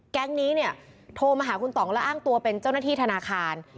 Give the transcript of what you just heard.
แก๊งนี้เนี่ยโทรมาหาคุณต่องและอ้างตัวเป็นเจ้าหน้าที่ธนาคาร